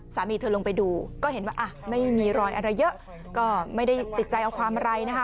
สามีเธอลงไปดูก็เห็นว่าไม่มีรอยอะไรเยอะก็ไม่ได้ติดใจเอาความอะไรนะคะ